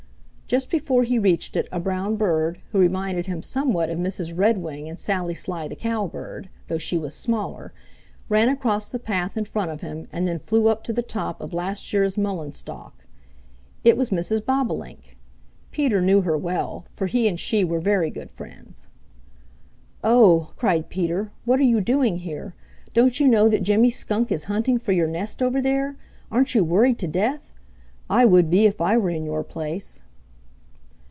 Just before he reached it a brown bird, who reminded him somewhat of Mrs. Redwing and Sally Sly the Cowbird, though she was smaller, ran across the path in front of him and then flew up to the top of a last year's mullein stalk. It was Mrs. Bobolink. Peter knew her well, for he and she were very good friends. "Oh!" cried Peter. "What are you doing here? Don't you know that Jimmy Skunk, is hunting for your nest over there? Aren't you worried to death? I would be if I were in your place."